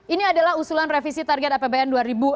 ini adalah usulan revisi target apbn dua ribu enam belas